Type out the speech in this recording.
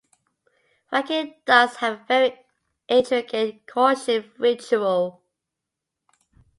Falcated ducks have a very intricate courtship ritual.